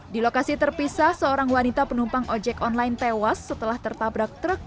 di lokasi terpisah seorang wanita penumpang ojek online tewas setelah tertabrak truk